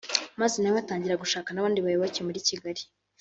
Maze nawe atangira gushaka n’abandi bayoboke muri Kigali